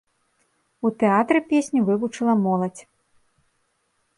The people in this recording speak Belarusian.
У тэатры песню вывучыла моладзь.